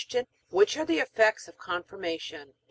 Which are the effects of Confirmation?